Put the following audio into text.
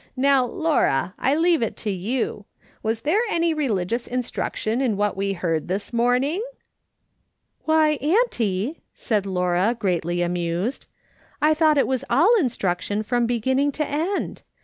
Now, Laura, I leave it to you : Was there any religious instruction in wliat we heard tliis morning ?"" Wliy, auntie," said Laura, greatly amused. " I thought it was all instruction from beginning to end.